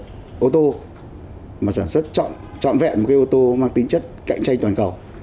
cái ô tô mà sản xuất trọn vẹn một cái ô tô mang tính chất cạnh tranh toàn cầu